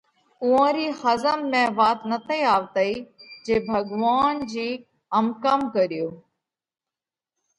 اُوئون رِي ۿزم ۾ وات نتئِي آوَتئِي جي ڀڳوونَ جِي هم ڪم ڪريو؟